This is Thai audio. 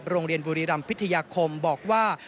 โรงเรียนบุรีรำพิทยาคมบอกว่า